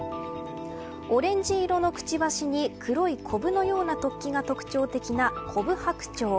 オレンジ色のくちばしに黒いコブのような突起が特徴的なコブハクチョウ。